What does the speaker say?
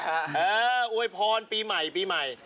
เอออวยพรปีใหม่